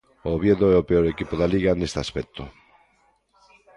O Oviedo é o peor equipo da Liga neste aspecto.